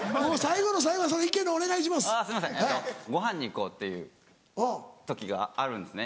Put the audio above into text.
ごはんに行こうっていう時があるんですね